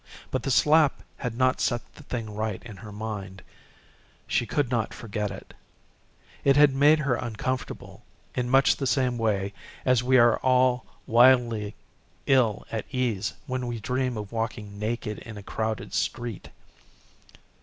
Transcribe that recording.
But the slap had not set the thing right in her mind. She could not forget it. It had made her uncomfortable in much the same way as we are wildly ill at ease when we dream of walking naked in a crowded street.